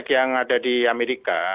yang ada di amerika